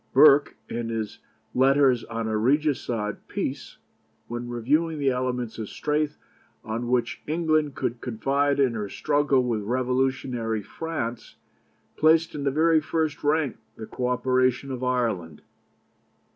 Burke, in his Letters on a Regicide Peace, when reviewing the elements of strength on which England could confide in her struggle with revolutionary France, placed in the very first rank the co operation of Ireland.